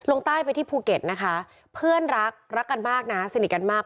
ลงใต้ไปที่ภูเก็ตนะคะเพื่อนรักรักกันมากนะสนิทกันมาก